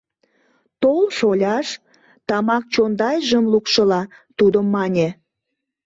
— Тол, шоляш, — тамак чондайжым лукшыла тудо мане.